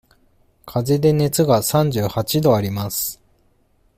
かぜで熱が三十八度あります。